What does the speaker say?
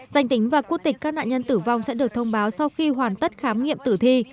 danh tính và quốc tịch các nạn nhân tử vong sẽ được thông báo sau khi hoàn tất khám nghiệm tử thi